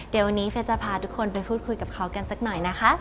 เดี๋ยววันนี้เฟสจะพาทุกคนไปพูดคุยกับเขากันสักหน่อยนะคะ